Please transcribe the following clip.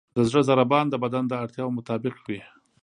د زړه ضربان د بدن د اړتیاوو مطابق وي.